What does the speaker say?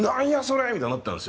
みたいになったんですよ。